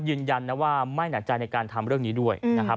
ยืนยันนะว่าไม่หนักใจในการทำเรื่องนี้ด้วยนะครับ